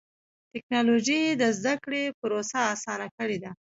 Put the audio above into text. ټکنالوجي د زدهکړې پروسه اسانه کړې ده.